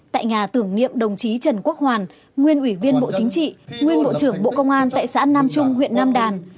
tại nhà tưởng niệm đồng chí trần quốc hoàn nguyên ủy viên bộ chính trị nguyên bộ trưởng bộ công an tại xã nam trung huyện nam đàn